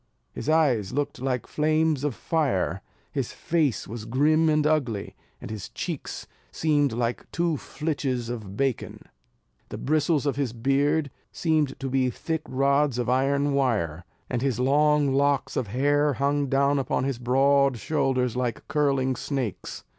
His eyes looked like flames of fire, his face was grim and ugly, and his cheeks seemed like two flitches of bacon; the bristles of his beard seemed to be thick rods of iron wire; and his long locks of hair hung down upon his broad shoulders like curling snakes.